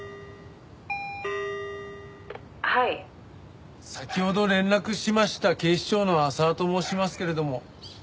「はい」先ほど連絡しました警視庁の浅輪と申しますけれども。